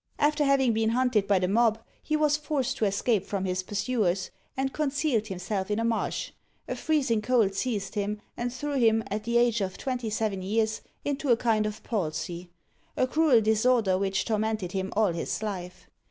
After having been hunted by the mob, he was forced to escape from his pursuers; and concealed himself in a marsh. A freezing cold seized him, and threw him, at the age of twenty seven years, into a kind of palsy; a cruel disorder which tormented him all his life.